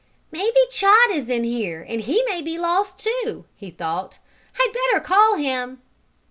"Maybe Chot is in here, and he may be lost, too," he thought. "I'd better call him."